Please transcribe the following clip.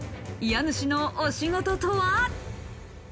家主のお仕事とは？